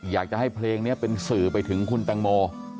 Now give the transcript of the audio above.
อยากจะให้เพลงนี้เป็นสื่อไปถึงคุณตังโม